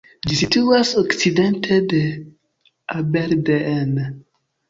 Ĝi situas okcidente de Aberdeen.